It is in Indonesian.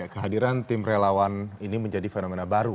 kehadiran tim relawan ini menjadi fenomena baru